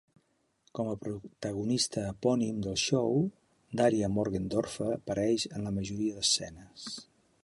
Com a protagonista epònim del show, Daria Morgendorffer apareix en la majoria d'escenes.